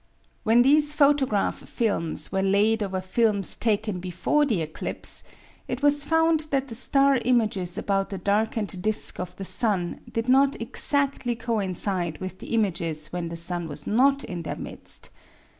When these photograph films were laid over films taken before the eclipse it was found that the star images about the darkened disk of the sun did not exactly coincide with the images when the sun was not in their midst.